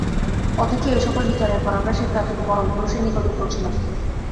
অথচ এই-সকল বিচারের পর আমরা সেই প্রাচীন পরম পুরুষের নিকটেই পৌঁছিলাম।